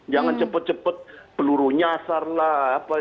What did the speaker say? jangan cepet cepet peluru nyasar lah